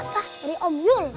dari om yul